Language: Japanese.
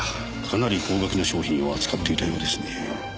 かなり高額の商品を扱っていたようですね。